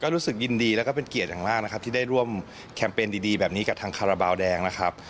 รู้สึกยินดีแล้วก็เป็นเกียรติอย่างมากนะครับที่ได้ร่วมแคมเปญดีแบบนี้กับทางคาราบาลแดงนะครับ